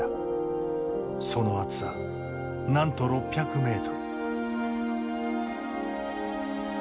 その厚さなんと６００ｍ。